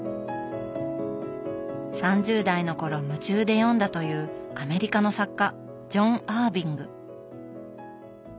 ３０代の頃夢中で読んだというアメリカの作家ジョン・アーヴィング。